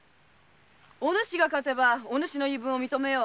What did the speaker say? お主が勝てばお主の言い分を認めよう。